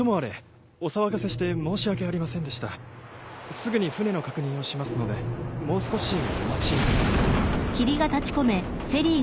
すぐに船の確認をしますのでもう少しお待ちいただいても。